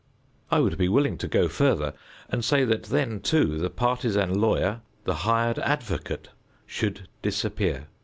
I would be willing to go further and say that then, too, the partisan lawyer, the hired advocate, should disappear.